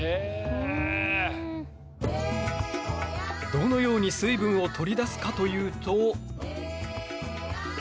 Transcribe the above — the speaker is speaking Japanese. どのように水分を取り出すかというと。